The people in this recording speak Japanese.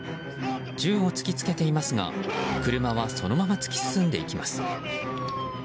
銃を突き付けていますが車はそのまま突き進んでいきます。